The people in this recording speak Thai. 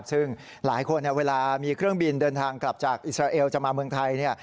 ซึ่งหลายคนเวลามีเครื่องบินเดินทางกลับจากอิสราเอลจะมาเมืองไทย